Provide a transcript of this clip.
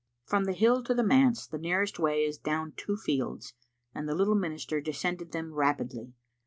From the hill to the manse the nearest way is down two fields, and the little minister descended them rapidly.